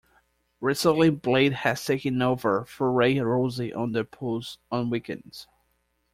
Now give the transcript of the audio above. Recently, Blade has taken over for Ray Rossi on "The Pulse" on weekends.